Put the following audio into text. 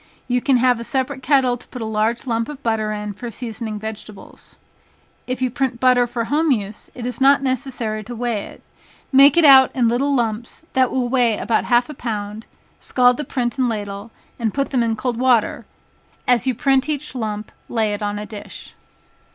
You can have a separate kettle to put a large lump of butter in for seasoning vegetables. If you print butter for home use, it is not necessary to weigh it, make it out in little lumps that will weigh about half a pound, scald the print and ladle, and put them in cold water, as you print each lump, lay it on a dish.